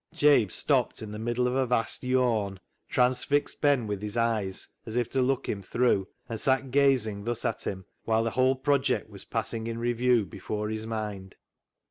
Jabe stopped in the middle of a vast yawn, transfixed Ben with his eyes, as if to look him through, and sat gazing thus at him whilst the whole project was passing in review before his mind.